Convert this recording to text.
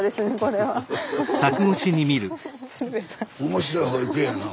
面白い保育園やな。